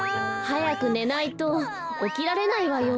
はやくねないとおきられないわよ。